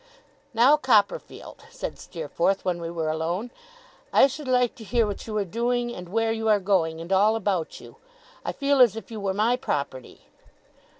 'Now, Copperfield,' said Steerforth, when we were alone, 'I should like to hear what you are doing, and where you are going, and all about you. I feel as if you were my property.